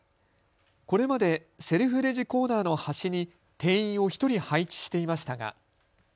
これまでセルフレジコーナーの端に店員を１人配置していましたが。